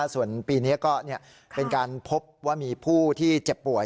ส่วนปีนี้ก็เป็นการพบว่ามีผู้ที่เจ็บป่วย